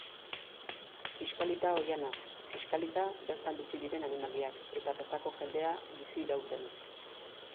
Kiskalita oihana, kiskalita bertan bizi diren animaliak eta bertako jendea bizirauten.